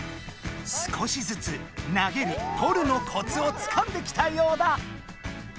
少しずつ投げるとるのコツをつかんできたようだ。